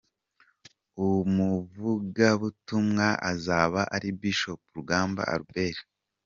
Umuvugabutumwa azaba ari Bishop Rugamba Albert.